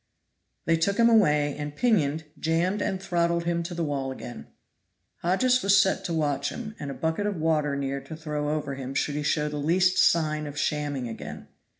They took him away, and pinioned, jammed and throttled him to the wall again. Hodges was set to watch him, and a bucket of water near to throw over him should he show the least sign of shamming again.